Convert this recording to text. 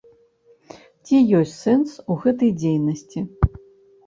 Ці ёсць сэнс у гэтай дзейнасці?